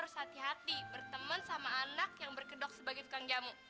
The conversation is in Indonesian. sampai jumpa di video selanjutnya